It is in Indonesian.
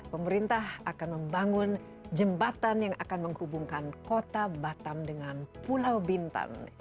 pemerintah akan membangun jembatan yang akan menghubungkan kota batam dengan pulau bintan